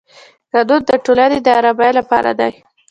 قانون د ټولنې د ارامۍ لپاره دی.